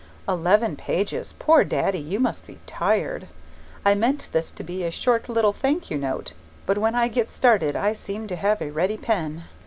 Eleven pages poor Daddy, you must be tired! I meant this to be just a short little thank you note but when I get started I seem to have a ready pen.